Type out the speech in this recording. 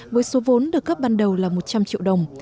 với số vốn được cấp ban đầu là một trăm linh triệu đồng